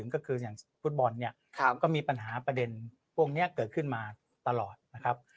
ก็คืออย่างฟุตบอลเนี่ยก็มีปัญหาประเด็นพวกนี้เกิดขึ้นมาตลอดนะครับ